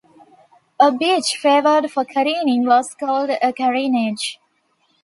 A beach favoured for careening was called a careenage.